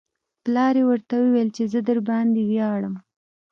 پلار یې ورته وویل چې زه درباندې ویاړم